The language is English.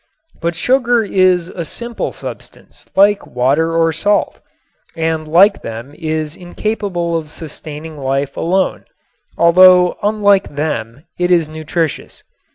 But sugar is a simple substance, like water or salt, and like them is incapable of sustaining life alone, although unlike them it is nutritious.